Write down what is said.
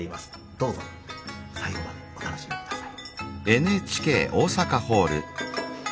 どうぞ最後までお楽しみ下さい。